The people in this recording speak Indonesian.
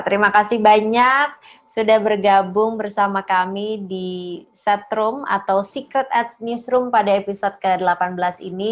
terima kasih banyak sudah bergabung bersama kami di set room atau secret at newsroom pada episode ke delapan belas ini